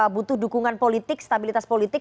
butuh dukungan politik stabilitas politik